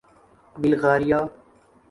Bulgaria